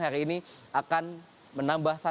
hari ini akan menambah